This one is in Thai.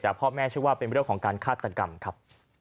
แต่พ่อแม่เชื่อว่าเป็นเรื่องของการฆาตกรรมครับ